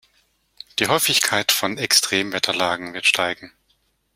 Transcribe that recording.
Die Häufigkeit von Extremwetterlagen wird steigen.